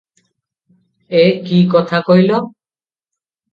ଏ କି କଥା କହିଲ!